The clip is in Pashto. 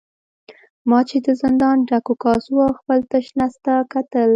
ما چې د زندان ډکو کاسو او خپل تش نس ته کتل.